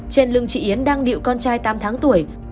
trên lưng chị yến đang điệu con trai tám tháng tuổi